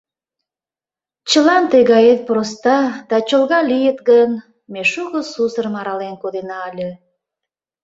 Чылан тый гает проста да чолга лийыт гын, ме шуко сусырым арален кодена ыле.